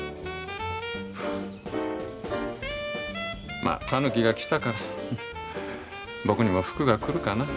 まあたぬきが来たから僕にも福が来るかな。